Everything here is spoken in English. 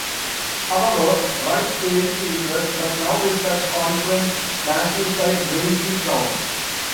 However Wright failed to impress, but now is at Conference National side Braintree Town.